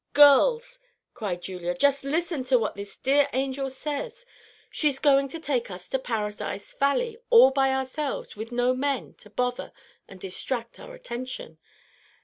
"Girls!" cried Julia, "just listen to what this dear angel says! She's going to take us to Paradise Valley, all by ourselves, with no men to bother and distract our attention.